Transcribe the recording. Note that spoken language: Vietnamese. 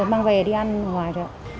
và mang về đi ăn ngoài